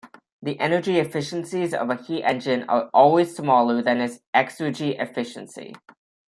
The energy efficiencies of a heat engine are always smaller than its exergy efficiency.